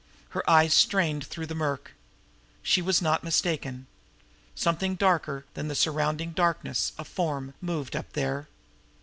Her eyes strained through the murk. She was not mistaken. Something darker than the surrounding darkness, a form, moved up there.